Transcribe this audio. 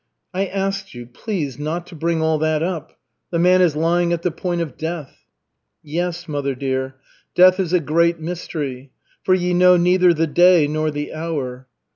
"I asked you please not to bring all that up. The man is lying at the point of death." "Yes, mother dear, death is a great mystery. 'For ye know neither the day nor the hour.'